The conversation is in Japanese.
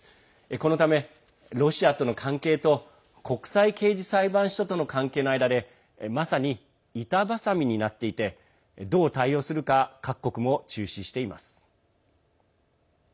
このためロシアとの関係と国際刑事裁判所との関係の間でまさに板ばさみになっていてどう対応するか各国も注視しています。